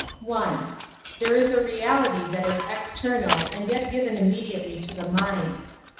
There is a reality that is external and yet given immediately to the mind.